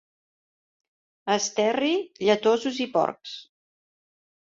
A Esterri, lletosos i porcs.